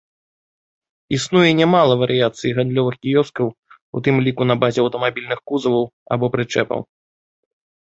Існуе нямала варыяцый гандлёвых кіёскаў, у тым ліку на базе аўтамабільных кузаваў або прычэпаў.